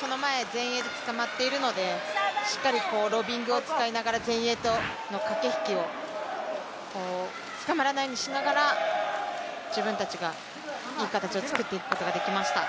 その前、前衛でつかまっているのでしっかりロビングを使いながら前衛との駆け引きを捕まらないようにしながら自分たちがいい形をつくっていくことができました。